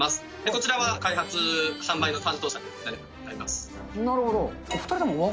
こちらは開発販売の担当者になりなるほど。